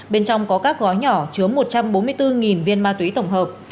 bên trong có các gói nhỏ chứa một trăm bốn mươi bốn viên ma túy tổng hợp